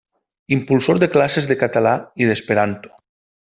Impulsor de classes de català i d'esperanto.